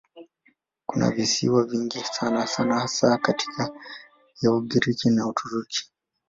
Kuna visiwa vingi sana hasa kati ya Ugiriki na Uturuki.